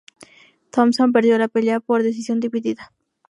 Thomson perdió la pelea por decisión dividida.